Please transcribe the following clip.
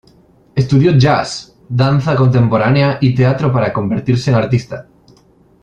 Estudió "jazz", danza contemporánea y teatro para convertirse en artista.